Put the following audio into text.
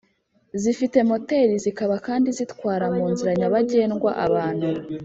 zifite moteri zikaba kandi zitwara mu nzira nyabagendwa abantu